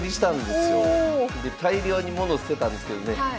で大量に物捨てたんですけどね